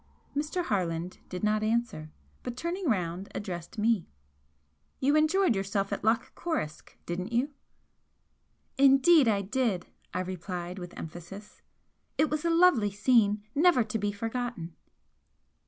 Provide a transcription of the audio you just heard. Mr. Harland did not answer, but turning round, addressed me. "You enjoyed yourself at Loch Coruisk, didn't you?" "Indeed I did!" I replied, with emphasis "It was a lovely scene! never to be forgotten."